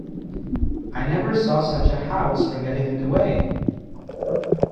I never saw such a house for getting in the way!